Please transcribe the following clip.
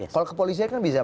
kalau ke polisi kan bisa pak